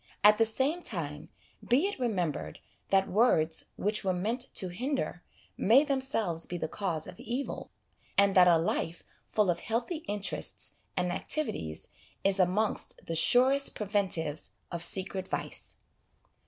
At the same time, be it remem bered that words which were meant to hinder may themselves be the cause of evil, and that a life full of healthy interests and activities is amongst the surest preventives of secret vice.